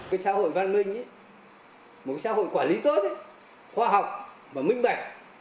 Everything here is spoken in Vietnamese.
cái xã hội văn minh một xã hội quản lý tốt khoa học và minh bạch